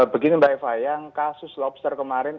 begini mbak eva yang kasus lobster kemarin